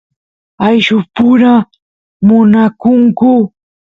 ayllus pura munakunku